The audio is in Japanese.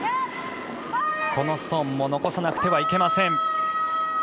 このストーンも残さなくてはいけません。